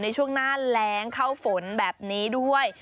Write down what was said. ในช่วงหน้าแรงเข้าฝนแบบนี้ด้วย